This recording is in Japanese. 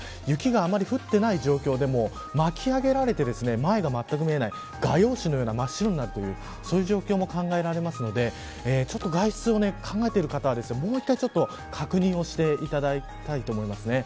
雪があまり降っていないような状況でも巻き上げられて前がまったく見えない画用紙のような、真っ白になる状況も考えられるので外出を考えている方はもう１回、確認をしていただきたいと思います。